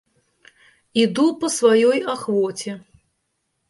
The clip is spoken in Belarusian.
Іду па сваёй ахвоце.